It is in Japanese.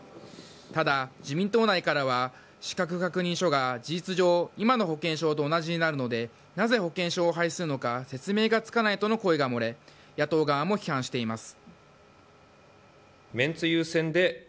ただ、自民党内からは資格確認書が事実上今の保険証と同じになるのでなぜ保険証を廃止するのか説明がつかないとの声が漏れ野党側も批判しています。